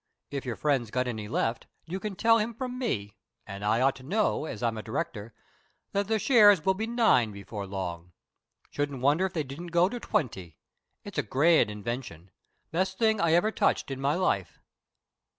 If your friend's got any left, you can tell him from me and I ought to know as I'm a director that the shares will be at nine before long. Shouldn't wonder if they didn't go to twenty. It's a grand invention. Best thing I ever touched in my life."